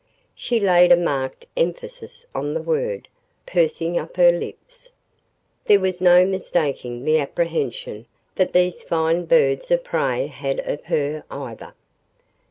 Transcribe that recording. She laid a marked emphasis on the word, pursing up her lips. There was no mistaking the apprehension that these fine birds of prey had of her, either.